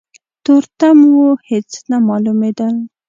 تورتم و هيڅ نه مالومېدل.